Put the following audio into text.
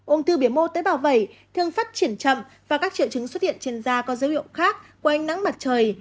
ung thư biểu mô tế bảo vẩy thường phát triển chậm và các triệu chứng xuất hiện trên da có dấu hiệu khác của ánh nắng mặt trời